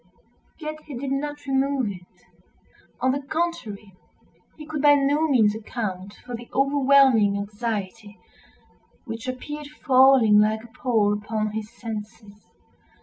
Yet he did not remove it. On the contrary, he could by no means account for the overwhelming anxiety which appeared falling like a pall upon his senses.